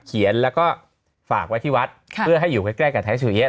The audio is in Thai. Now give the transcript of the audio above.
เขียนแล้วก็ฝากไว้ที่วัดเพื่อให้อยู่ใกล้กับไทยสุเอี๊ย